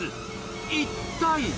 一体？